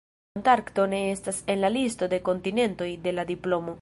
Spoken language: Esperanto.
Antarkto ne estas en la listo de kontinentoj de la diplomo.